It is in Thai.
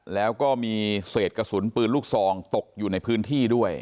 แล้วก็มีเศษกระสุนปืนลูกซองตกอยู่ในพื้นที่ด้วย